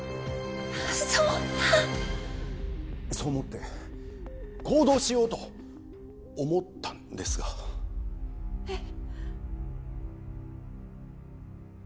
そんなそう思って行動しようと思ったんですがえっ